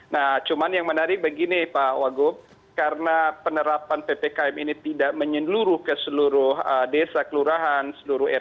nah cuman yang menarik begini pak wagub karena penerapan ppkm ini tidak menyeluruh ke seluruh desa kelurahan seluruh elementasi